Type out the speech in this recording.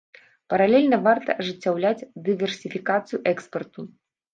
Паралельна варта ажыццяўляць дыверсіфікацыю экспарту.